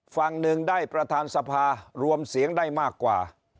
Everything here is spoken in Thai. ฝั่งหนึ่งได้ประธานสภารวมเสียงได้มากกว่า